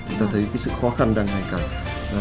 chúng ta thấy cái sự khó khăn đang ngày càng